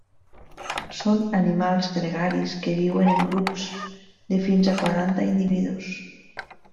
Són animals gregaris que viuen en grups de fins a quaranta individus.